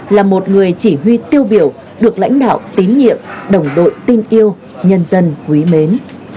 là một người chỉ huy tiêu biểu được lãnh đạo tín nhiệm đồng đội tin yêu nhân dân quý mến